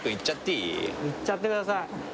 いっちゃってください